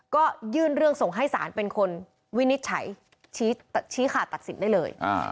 ก็ยื่นเรื่องส่งให้ศาลเป็นคนวินิจฉัยชี้ขาดตัดสินได้เลย